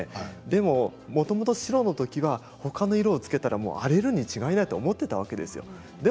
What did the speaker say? でも、もともと白のときはほかの色を着けたら荒れるに違いないと思っていたわけですよ。